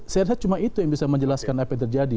saya lihat cuma itu yang bisa menjelaskan apa yang terjadi